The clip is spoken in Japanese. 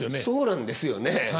そうなんですよね。